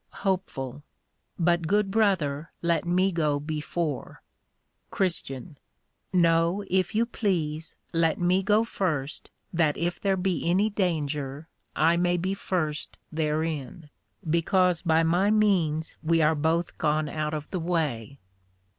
HOPE. But good Brother let me go before. CHE. No, if you please, let me go first, that if there be any danger, I may be first therein, because by my means we are both gone out of the way.